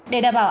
để đảm bảo anh